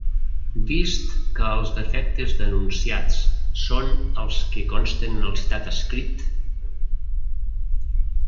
Vist que els defectes denunciats són els que consten en el citat escrit.